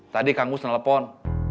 tadi kang gus telepon